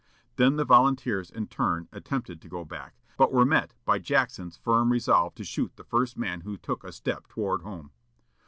Then the volunteers, in turn, attempted to go back, but were met by Jackson's firm resolve to shoot the first man who took a step toward home.